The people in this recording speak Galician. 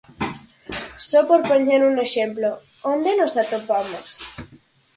Só por poñer un exemplo onde nos atopamos.